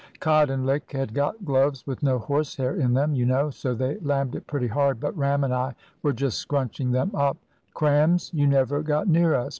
"Cot and Lick had got gloves with no horse hair in them, you know, so they lammed it pretty hard; but Ram and I were just scrunching them up " "Crams! You never got near us.